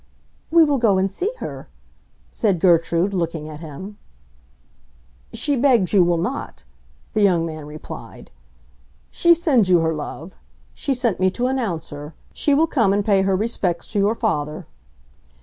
"We will go and see her," said Gertrude, looking at him. "She begs you will not!" the young man replied. "She sends you her love; she sent me to announce her. She will come and pay her respects to your father."